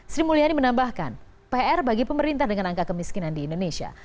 sri mulyani menambahkan pr bagi pemerintah dengan angka kemiskinan di indonesia